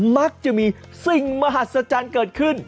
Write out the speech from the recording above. มักจะมีสิ่งมหัศจรรย์เกิดขึ้น